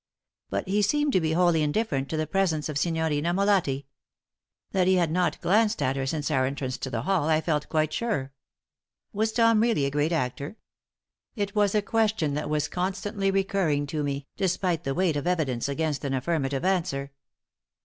But he seemed to be wholly indifferent to the presence of Signorina Molatti. That he had not glanced at her since our entrance to the hall I felt quite sure. Was Tom really a great actor? It was a question that was constantly recurring to me, despite the weight of evidence against an affirmative answer.